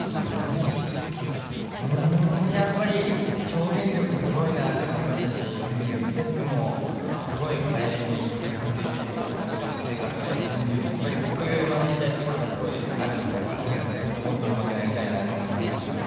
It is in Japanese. うんやっぱり表現力すごいなって思いましたしステップもすごい華麗に踏んでてしかも正確でやっぱり僕まねしたいところがすごいあるのでもっともっとうまくなりたいなって思いましたね。